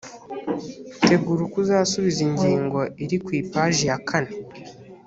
tegura uko uzasubiza ingingo iri ku ipaji ya kane